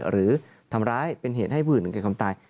หรือทำร้ายเป็นเหตุให้ผู้อื่นถึงแก่ความตาย